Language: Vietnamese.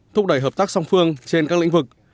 thúc đẩy hợp tác song phương trên các lĩnh vực